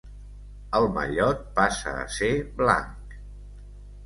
El mallot passa a ser blanc.